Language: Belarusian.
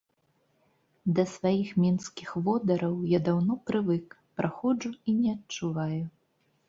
Да сваіх мінскіх водараў я даўно прывык, праходжу і не адчуваю.